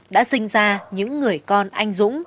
đã sinh ra những người con anh dũng